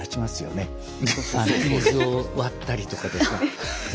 水を割ったりとかで。